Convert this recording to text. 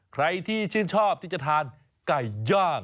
ใครที่ชื่นชอบที่จะทานไก่ย่าง